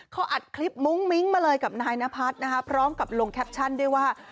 เขาอัดคลิปมุ้งมิ้งมาเลยกับนายนพัฒน์นะคะพร้อมกับลงแคปชั่นด้วยว่า